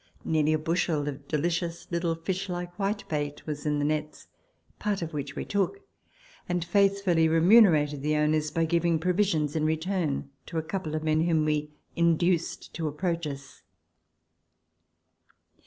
Nearly a bushel of delicious little fish like white bait was in the nets, part of which we took, and faithfully remunerated the owners by Letters from Victorian Pioneers. 41 giving provisions in return to a couple of men whom we induced to approach us.